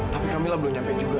tapi kamila belum sampai juga